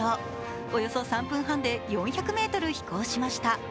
およそ３分半で４００ｍ飛行しました。